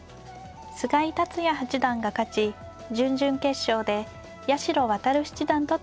菅井竜也八段が勝ち準々決勝で八代弥七段と対戦します。